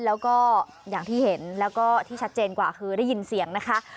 แล้วก็อย่างที่เห็นแล้วก็ที่ชัดเจนกว่าคือได้ยินเสียงนะคะ